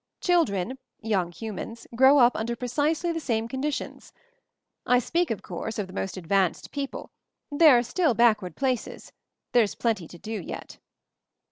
Children, young humans, grow up under precisely the same conditions. I speak, of course, of the most advanced people — there are still backward places — there's plenty to do yet.